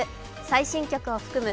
最新曲を含む